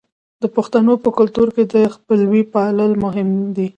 د پښتنو په کلتور کې د خپلوۍ پالل مهم دي.